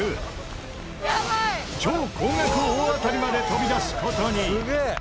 超高額大当たりまで飛び出す事に！